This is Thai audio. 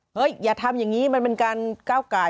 อย่าทำอย่างนี้มันเป็นการก้าวไก่